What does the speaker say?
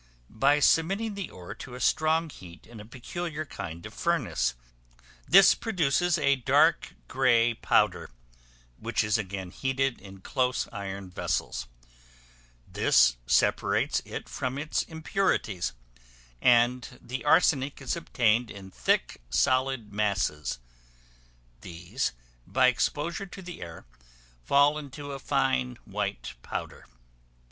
By submitting the ore to a strong heat in a peculiar kind of furnace; this produces a dark grey powder, which is again heated in close iron vessels; this separates it from its impurities, and the arsenic is obtained in thick, solid masses; these, by exposure to the air, fall into a fine, white powder.